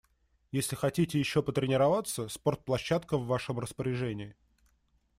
Если хотите ещё потренироваться, спортплощадка в вашем распоряжении.